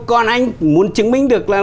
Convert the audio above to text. còn anh muốn chứng minh được là